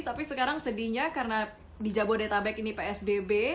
tapi sekarang sedihnya karena di jabodetabek ini psbb